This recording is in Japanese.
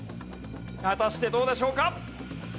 果たしてどうでしょうか？